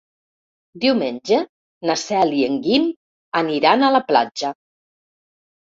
Diumenge na Cel i en Guim aniran a la platja.